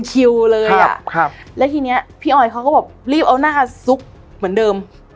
เขาเลยอะะและทีนี้พี่อยล์เขาก็บอกรีบเอาหน้าซุกเหมือนเดิม